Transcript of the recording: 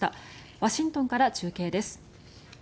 ワシントンから中継です。